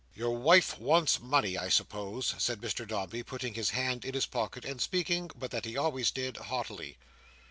"Your wife wants money, I suppose," said Mr Dombey, putting his hand in his pocket, and speaking (but that he always did) haughtily.